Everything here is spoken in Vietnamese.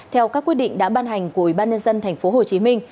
theo các quyết định đã ban hành của ubnd tp hcm